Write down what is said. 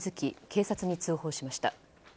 警察に通報しました。